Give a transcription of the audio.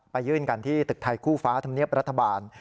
ยื่นกันที่ตึกไทยคู่ฟ้าธรรมเนียบรัฐบาล